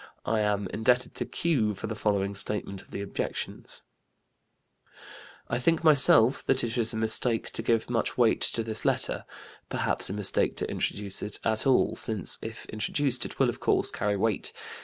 I am indebted to "Q." for the following statement of the objections: "I think myself that it is a mistake to give much weight to this letter perhaps a mistake to introduce it at all, since if introduced it will, of course, carry weight.